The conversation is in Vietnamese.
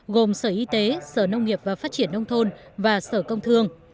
gồm sở y tế sở nông nghiệp và phát triển nông thôn và sở công thương